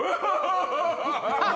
ハッハハ！